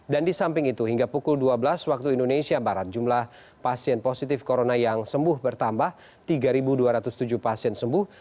dan di samping itu hingga pukul dua belas waktu indonesia barat jumlah pasien positif corona yang sembuh bertambah tiga dua ratus tujuh pasien sembuh